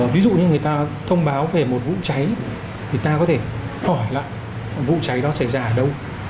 ví dụ như người ta thông báo về một vụ cháy thì ta có thể hỏi lại vụ cháy đó xảy ra ở đâu